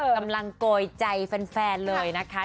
กำลังโกยใจแฟนเลยนะคะ